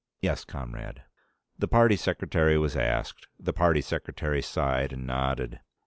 "Yes, comrade." The party secretary was asked. The party secretary sighed and nodded.